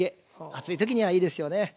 暑い時にはいいですよね。